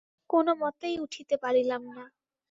কোনো মতেই উঠিতে পারিলাম না।